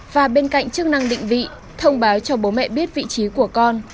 và bên cạnh chức năng định vị thông báo cho bố mẹ biết vị trí của con